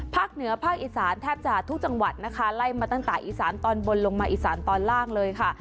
เหนือภาคอีสานแทบจะทุกจังหวัดนะคะไล่มาตั้งแต่อีสานตอนบนลงมาอีสานตอนล่างเลยค่ะ